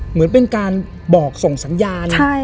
เหมือนเป็นการบอกส่งสัญญาณ